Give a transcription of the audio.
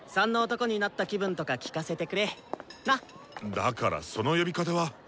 だからその呼び方は。